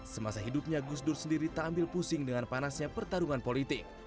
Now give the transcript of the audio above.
semasa hidupnya gus dur sendiri tak ambil pusing dengan panasnya pertarungan politik